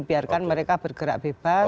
biarkan mereka bergerak bebas